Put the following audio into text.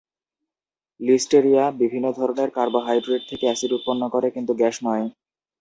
Listeria বিভিন্ন ধরনের carbohydrate থেকে এসিড উৎপন্ন করে, কিন্তু গ্যাস নয়।